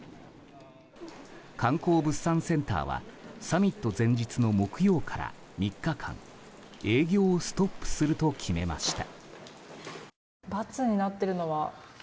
観光物産センターはサミット前日の木曜から３日間営業をストップすると決めました。